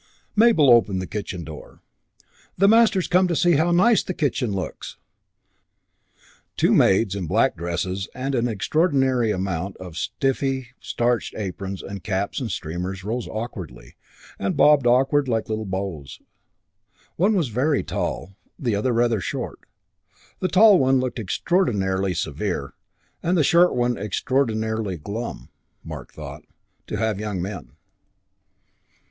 VIII Mabel opened the kitchen door. "The master's come to see how nice the kitchen looks." Two maids in black dresses and an extraordinary amount of stiffly starched aprons and caps and streamers rose awkwardly and bobbed awkward little bows. One was very tall, the other rather short. The tall one looked extraordinarily severe and the short one extraordinarily glum, Mark thought, to have young men.